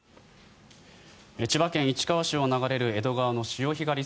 千葉県市川市を流れる江戸川の潮干狩り